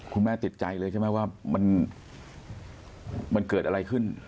แม่ติดใจเลยใช่ไหมว่ามันเกิดอะไรขึ้น